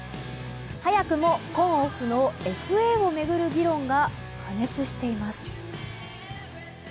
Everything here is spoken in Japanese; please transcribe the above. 早くも今オフのＦＡを巡る議論が過熱しています。